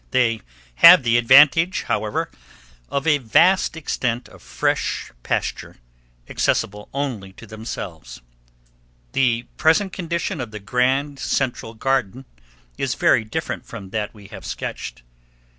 They have the advantage, however, of a vast extent of fresh pasture, accessible only to themselves. The present condition of the Grand Central Garden is very different from that we have sketched.